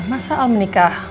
masa al menikah